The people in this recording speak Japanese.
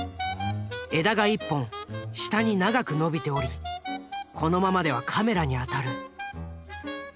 枝が１本下に長く伸びておりこのままではカメラに当たる。